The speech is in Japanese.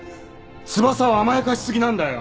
翼を甘やかしすぎなんだよ！